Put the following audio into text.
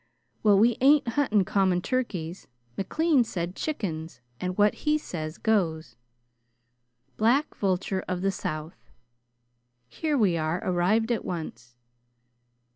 "Well, we ain't hunting common turkeys. McLean said chickens, and what he says goes." "'Black vulture of the South.'" "Here we are arrived at once."